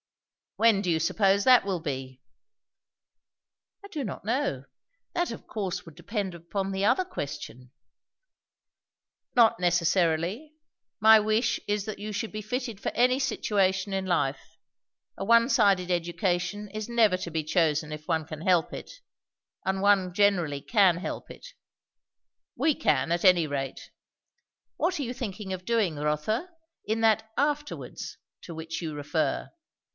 "When do you suppose that will be?" "I do not know. That of course would depend upon the other question." "Not necessarily. My wish is that you should be fitted for any situation in life. A one sided education is never to be chosen, if one can help it; and one generally can help it. We can, at any rate. What are you thinking of doing, Rotha? in that 'afterwards' to which you refer?"